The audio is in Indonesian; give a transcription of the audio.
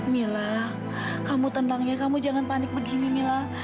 mila kamu tenang ya kamu jangan panik begini mila